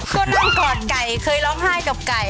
ก็นั่งกอดไก่เคยร้องไห้กับไก่